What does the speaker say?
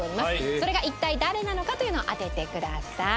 それが一体誰なのかというのを当ててください。